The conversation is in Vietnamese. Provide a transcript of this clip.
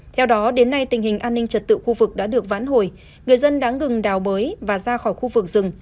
theo đó đến nay tình hình an ninh trật tự khu vực đã được vãn hồi người dân đã ngừng đào bới và ra khỏi khu vực rừng